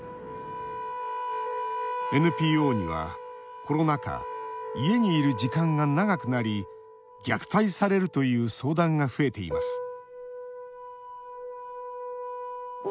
ＮＰＯにはコロナ禍家にいる時間が長くなり虐待されるという相談が増えています